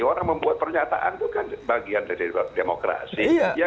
orang membuat pernyataan itu kan bagian dari demokrasi